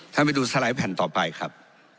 ไปดูสไลด์แผ่นต่อไปครับ